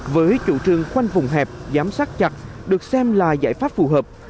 với chủ trương khoanh vùng hẹp giám sát chặt được xem là giải pháp phù hợp